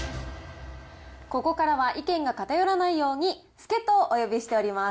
ここからは、意見が偏らないように、助っ人をお呼びしております。